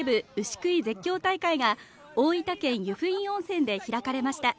喰い絶叫大会が大分県由布院温泉で開かれました。